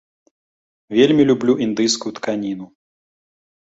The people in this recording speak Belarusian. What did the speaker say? Вельмі люблю індыйскую тканіну.